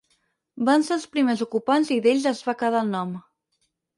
Van ser els primers ocupants i d'ells es va quedar el nom.